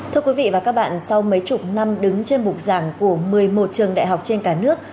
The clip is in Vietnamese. thưa quý vị và các bạn sau mấy chục năm đứng trên bục giảng của một mươi một trường đại học trên cả nước